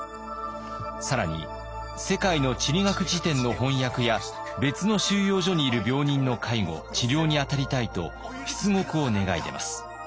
更に世界の地理学辞典の翻訳や別の収容所にいる病人の介護治療に当たりたいと出獄を願い出ます。